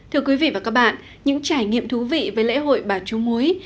thưa quý vị và các bạn những trải nghiệm thú vị với lễ hội bà chú múi